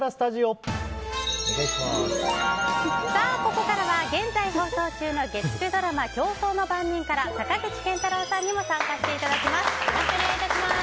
ここからは現在放送中の月９ドラマ「競争の番人」から坂口健太郎さんにも参加していただきます。